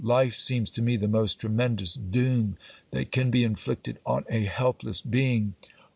Life seems to me the most tremendous doom that can be inflicted on a helpless being!